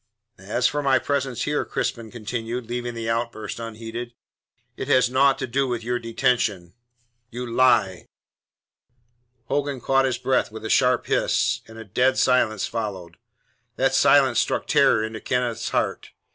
"As for my presence here," Crispin continued, leaving the outburst unheeded, "it has naught to do with your detention." "You lie!" Hogan caught his breath with a sharp hiss, and a dead silence followed. That silence struck terror into Kenneth's heart.